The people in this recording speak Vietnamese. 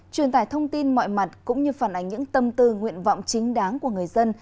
truyền tải thông tin mọi mặt cũng như phản ánh những tâm tư nguyện vọng chính đáng của người dân